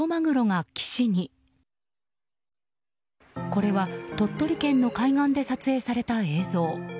これは鳥取県の海岸で撮影された映像。